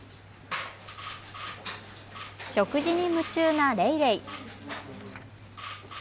食事に夢中なレイレイ。